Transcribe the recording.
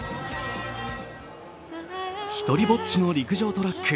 独りぼっちの陸上トラック。